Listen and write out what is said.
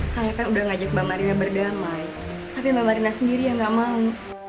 saya kan udah ngajak mbak marina berdamai tapi mbak marina sendiri yang gak mau